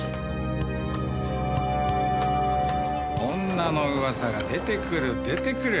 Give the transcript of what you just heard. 女の噂が出てくる出てくる！